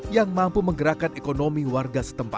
yang mampu menggerakkan ekonomi warga setempat